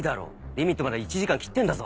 リミットまで１時間切ってんだぞ。